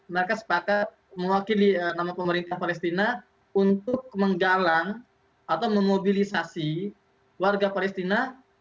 mereka sepakat mewakili nama pemerintah palestina untuk menggalang atau memobilisasi warga palestina